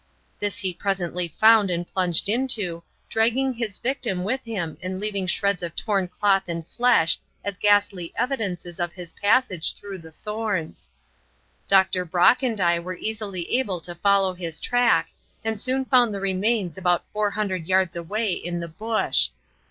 This he presently found and plunged into, dragging his victim with him and leaving shreds of torn cloth and flesh as ghastly evidences of his passage through the thorns. Dr. Brock and I were easily able to follow his track, and soon found the remains about four hundred yards away in the bush.